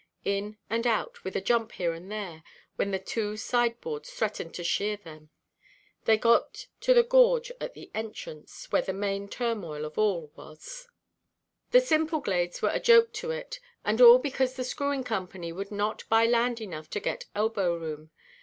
In and out, with a jump here and there, when two side–boards threatened to shear them, they got to the gorge at the entrance, where the main turmoil of all was. The Symplegades were a joke to it. And all because the Screwing Company would not buy land enough to get elbow room.